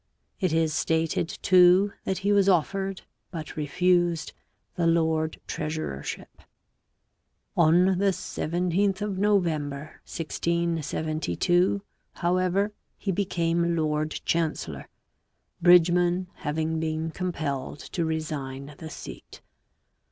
It is stated too that he was offered, but refused, the lord treasurership. On the 17th of November 1672, however, he became lord chancellor, Bridgman having been compelled to resign the seat.